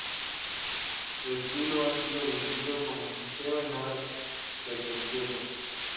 Su estilo ha sido definido como "sincero" y "nada pretencioso".